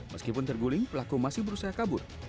meskipun terguling pelaku masih berusaha kabur